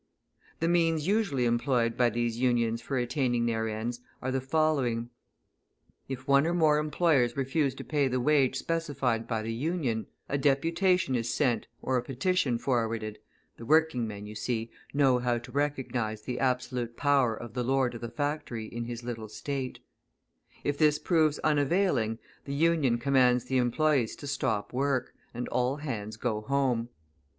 The means usually employed by these Unions for attaining their ends are the following: If one or more employers refuse to pay the wage specified by the Union, a deputation is sent or a petition forwarded (the working men, you see, know how to recognise the absolute power of the lord of the factory in his little State); if this proves unavailing, the Union commands the employees to stop work, and all hands go home.